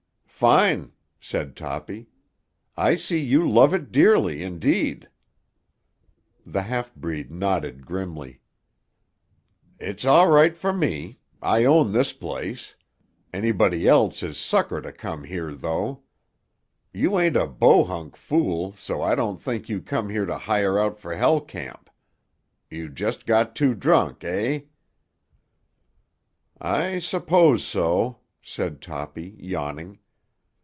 "Fine," said Toppy. "I see you love it dearly, indeed." The half breed nodded grimly. "It's all right for me; I own this place. Anybody else is sucker to come here, though. You ain't a Bohunk fool, so I don't think you come to hire out for Hell Camp. You just got too drunk, eh?" "I suppose so," said Toppy, yawning.